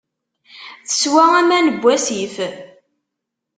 Teswa aman n wasif.